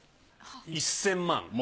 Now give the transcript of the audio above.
１，０００万？